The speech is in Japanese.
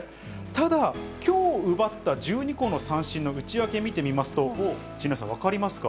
ただ、きょう奪った１２個の三振の内訳見てみますと、陣内さん、分かりますか？